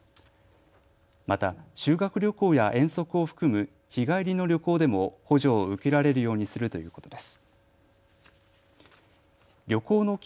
また修学旅行や遠足を含む日帰りの旅行でも補助を受けられるようにするということです。